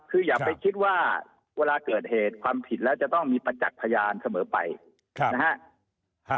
คืออย่าไปคิดว่าเวลาเกิดเหตุความผิดแล้วจะต้องมีประจักษ์พยานเสมอไปนะฮะ